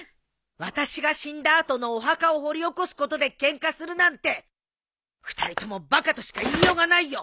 私が死んだ後のお墓を掘り起こすことでケンカするなんて２人ともバカとしか言いようがないよ。